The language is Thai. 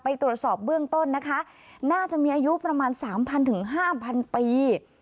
ตรวจสอบเบื้องต้นนะคะน่าจะมีอายุประมาณ๓๐๐ถึง๕๐๐ปี